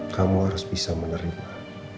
kamu harus bisa menerima